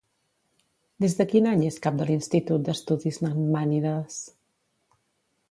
Des de quin any és cap de l'Institut d'Estudis Nahmànides?